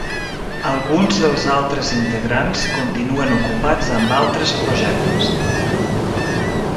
Alguns dels altres integrants continuen ocupats amb altres projectes.